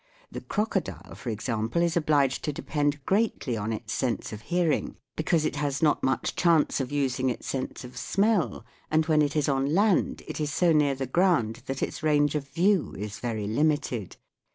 The crocodile, for ex ample, is obliged to depend greatly on its sense of hearing, because it has not much chance of using its sense of smell, and when it is on land it is so near the ground that its range of view is very limited.